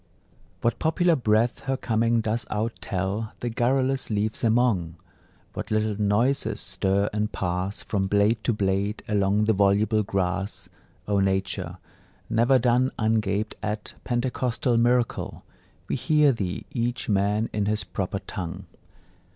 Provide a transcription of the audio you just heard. What popular breath her coming does out tell The garrulous leaves among! What little noises stir and pass From blade to blade along the voluble grass! O Nature, never done Ungaped at Pentecostal miracle, We hear thee, each man in his proper tongue!